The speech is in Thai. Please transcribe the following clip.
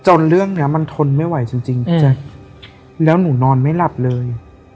เรื่องเนี้ยมันทนไม่ไหวจริงพี่แจ๊คแล้วหนูนอนไม่หลับเลย